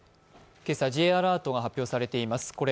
今朝、Ｊアラートが発表されています。